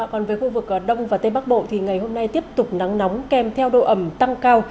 còn với khu vực đông và tây bắc bộ thì ngày hôm nay tiếp tục nắng nóng kèm theo độ ẩm tăng cao